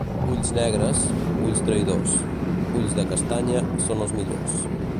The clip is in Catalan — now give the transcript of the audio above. Ulls negres, ulls traïdors; ulls de castanya són els millors.